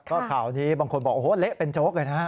ก็ข่าวนี้บางคนบอกโอ้โหเละเป็นโจ๊กเลยนะ